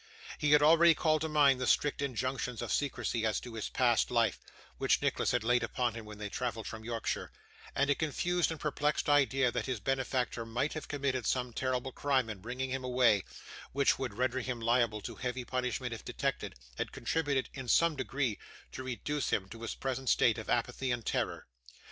He had already called to mind the strict injunctions of secrecy as to his past life, which Nicholas had laid upon him when they travelled from Yorkshire; and a confused and perplexed idea that his benefactor might have committed some terrible crime in bringing him away, which would render him liable to heavy punishment if detected, had contributed, in some degree, to reduce him to his present state of apathy and terror.